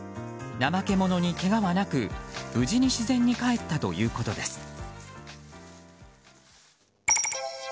ナマケモノにけがはなく無事に自然に帰ったということです。